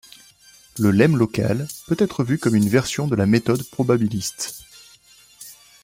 Le lemme local peut être vu comme une version de la méthode probabiliste.